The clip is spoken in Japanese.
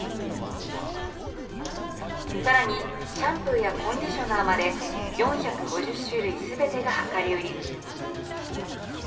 さらに、シャンプーやコンディショナーまで、４５０種類すべてが量り売り。